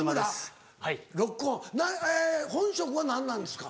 本職は何なんですか？